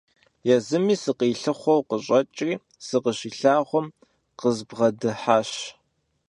Езыми сыкъилъыхъуэу къыщӀэкӀри, сыкъыщилъагъум, къызбгъэдыхьащ.